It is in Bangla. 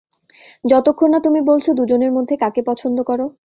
যতক্ষণ না তুমি বলছো দুজনের মধ্যে কাকে পছন্দ করো।